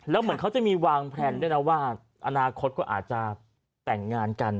แล้วเหมือนเขาจะมีวางแพลนด้วยนะว่าอนาคตก็อาจจะแต่งงานกัน